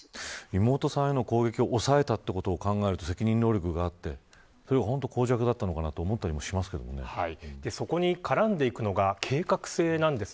妹さんへの攻撃を抑えたということを考えると責任能力があって本当に耗弱だったのかなとそこに絡んでいくのが計画性です。